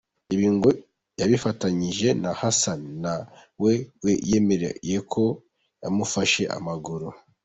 Ibi ngo yabifatanyije na Hassan, na we wiyemereye ko yamufashe amaguru.